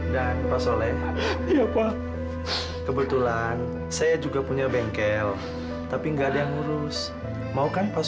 dan pas oleh dia pak kebetulan saya juga punya bengkel tapi nggak ada yang ngurus maukan pas